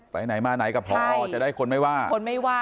ไปไหนมาไหนกับจะได้คนไม่ว่า